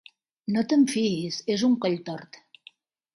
No te'n fiïs, és un colltort.